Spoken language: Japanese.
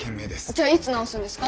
じゃあいつ直すんですか？